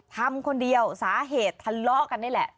ทำคนเดียวสาเหตุทะเลาะกันนี่แหละ